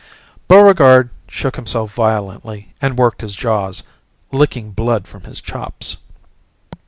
Buregarde shook himself violently and worked his jaws, licking blood from his chops.